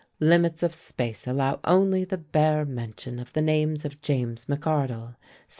Limits of space allow only the bare mention of the names of James McArdell (1728?